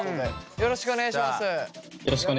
よろしくお願いします。